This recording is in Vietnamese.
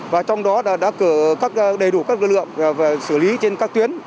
và trong đó đã đầy đủ các lực lượng xử lý trên các tuyến